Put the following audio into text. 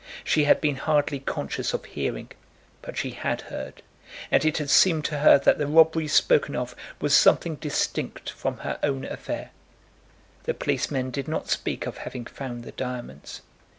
She had been hardly conscious of hearing; but she had heard, and it had seemed to her that the robbery spoken of was something distinct from her own affair. The policemen did not speak of having found the diamonds.